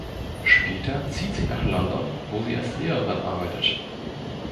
Später zieht sie nach London, wo sie als Lehrerin arbeitet.